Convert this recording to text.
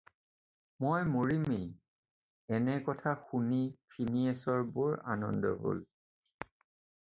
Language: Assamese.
"মই মাৰিমেই" এনে কথা শুনি ফিনিএচৰ বৰ আনন্দ হ'ল ।